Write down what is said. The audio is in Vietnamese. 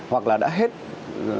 hoặc là đã hết thời hạn